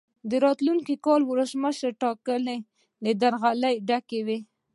د راتلونکي کال ولسمشرۍ ټاکنې له درغلیو ډکې وې.